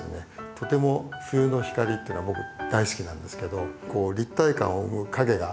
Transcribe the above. とても冬の光っていうのは僕大好きなんですけどこう立体感を生む影が出来るんです。